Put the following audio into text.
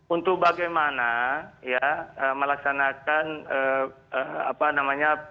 untuk bagaimana ya melaksanakan apa namanya